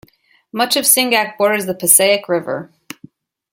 Much of Singac borders the Passaic River.